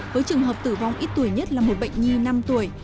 với trường hợp tử vong ít tuổi nhất là một bệnh nhi năm tuổi